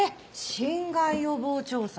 侵害予防調査。